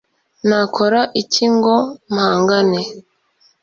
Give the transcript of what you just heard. Nakora iki ngo mpangane